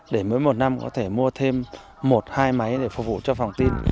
để mỗi một năm có thể mua thêm một hai máy để phục vụ cho phòng tin